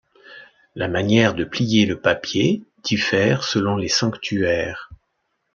La manière de plier le papier diffère selon les sanctuaires.